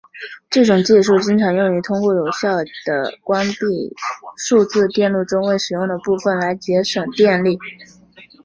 这种技术经常用于通过有效地关闭数字电路中未使用的部分来节省电力。